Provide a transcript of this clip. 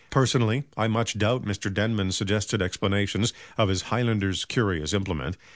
Personally, I much doubt Mr. Denman's suggested explanations of his highlander's curious implement.